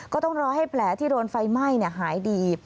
ก็ต้องรอให้แผลที่โดนไฟไหม้หายดี